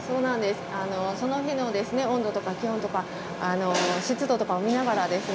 その日の温度とか気温とか湿度とかも見ながらですね